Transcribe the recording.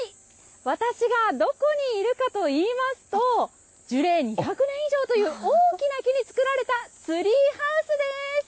私がどこにいるかといいますと樹齢２００年以上という大きな木で作られたツリーハウスです。